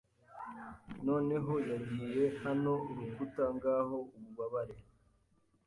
Noneho yagiye hano urukuta ngaho ububabare